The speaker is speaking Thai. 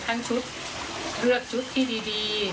ทั้งชุดเลือกชุดที่ดี